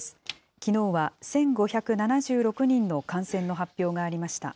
きのうは１５７６人の感染の発表がありました。